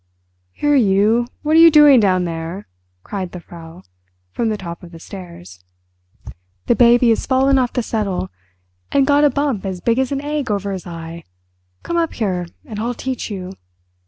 "Here, you, what are you doing down there?" cried the Frau, from the top of the stairs. "The baby's fallen off the settle, and got a bump as big as an egg over his eye. Come up here, and I'll teach you!"